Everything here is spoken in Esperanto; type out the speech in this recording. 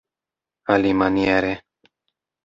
alimaniere